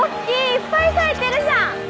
いっぱい咲いてるじゃん。